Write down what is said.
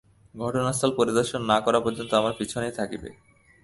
ঘটনাস্থল পরিদর্শন না করা পর্যন্ত আমার পিছনেই থাকবে।